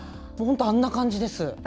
本当にあんな感じです。